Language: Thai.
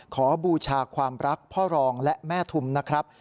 บูชาความรักพ่อรองและแม่ทุมนะครับ